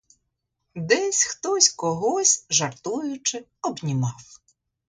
Десь хтось когось, жартуючи, обнімав.